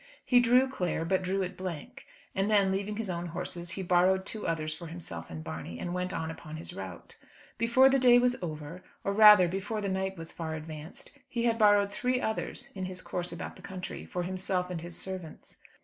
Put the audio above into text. He drew Clare, but drew it blank; and then, leaving his own horses, he borrowed two others for himself and Barney, and went on upon his route. Before the day was over or rather, before the night was far advanced he had borrowed three others, in his course about the country, for himself and his servants.